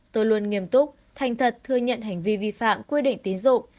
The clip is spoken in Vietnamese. tôi luôn nghiêm túc thành thật thừa nhận hành vi vi phạm quy định tín dụng